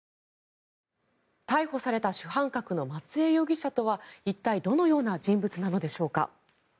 逮捕された主犯格の松江容疑者とは一体どのような人物なのでしょうか。